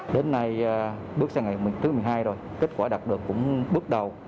đến nay bước sang ngày thứ một mươi hai rồi kết quả đạt được cũng bước đầu